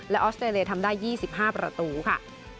ออสเตรเลียทำได้๒๕ประตูค่ะ